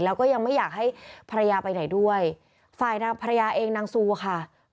แล้วก็ยังไม่อยากให้ภรรยาไปไหนด้วยฝ่ายนางภรรยาเองนางซูค่ะ